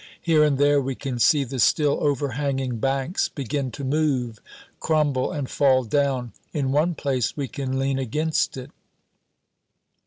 Here and there we can see the still overhanging banks begin to move, crumble, and fall down. In one place we can lean against it.